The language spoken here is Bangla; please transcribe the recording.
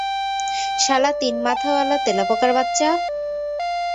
শালা তিন মাথাওয়ালা তেলাপোকার বাচ্চা!